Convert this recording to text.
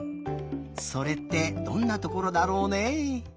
それってどんなところだろうね？